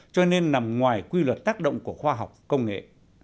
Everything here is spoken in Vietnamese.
cho nên nằm ngoài quy luật tác động của khoa học công nghệ